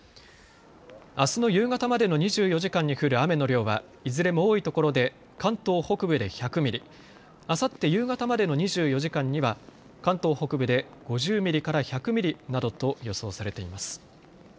あすの夕方までの２４時間に降る雨の量はいずれも多いところで関東北部で１００ミリ、あさって夕方までの２４時間には関東北部で５０ミリから１００ミリなどと予想されています。